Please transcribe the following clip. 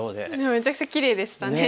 めちゃくちゃきれいでしたね。